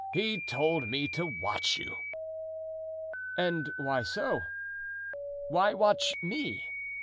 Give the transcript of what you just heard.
He told me to watch you." "And why so? why watch me?"